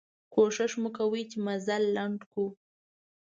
کوښښ مو کوه چې مزل لنډ کړو.